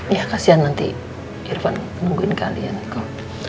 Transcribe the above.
ya kasihan nanti irfan nungguin kalian kok